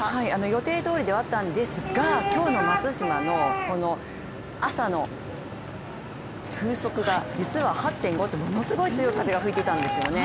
予定どおりではあったんですが今日の松島の朝の風速が実は８．５とものすごい強い風が吹いていたんですよね。